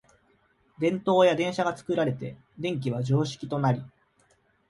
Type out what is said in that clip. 電燈や電車が作られて電気は常識となり、